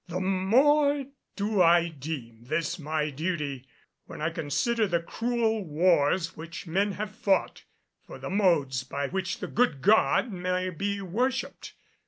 The more do I deem this my duty when I consider the cruel wars which men have fought for the modes by which the good God may be worshiped.